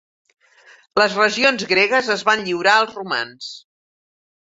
Les regions gregues es van lliurar als romans.